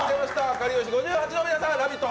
かりゆし５８の皆さん「ラヴィット！」